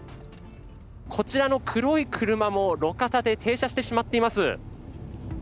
こちらの黒い車も路肩で停車してしまっています。